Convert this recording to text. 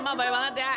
banyak banget ya